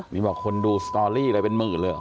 นี่บอกคนดูสตอรี่อะไรเป็นหมื่นเลยเหรอ